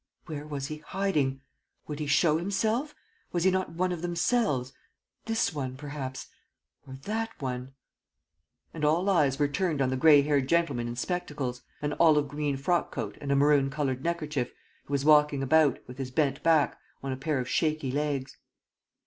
Where was he hiding? Would he show himself? Was he not one of themselves: this one, perhaps ... or that one? ... And all eyes were turned on the gray haired gentleman in spectacles, an olive green frock coat and a maroon colored neckerchief, who was walking about, with his bent back, on a pair of shaky legs.